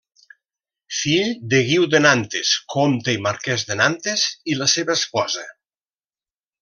Fill de Guiu de Nantes, comte i marquès de Nantes, i la seva esposa.